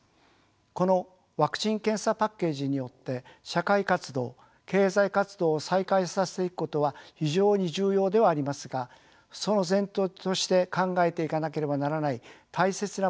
このワクチン・検査パッケージによって社会活動経済活動を再開させていくことは非常に重要ではありますがその前提として考えていかなければならない大切なポイントがあると思われます。